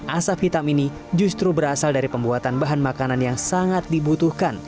asap hitam ini justru berasal dari pembuatan bahan makanan yang sangat dibutuhkan